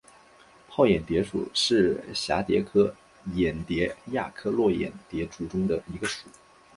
泡眼蝶属是蛱蝶科眼蝶亚科络眼蝶族中的一个属。